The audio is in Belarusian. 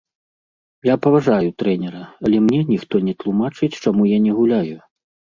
Я паважаю трэнера, але мне ніхто не тлумачыць чаму я не гуляю.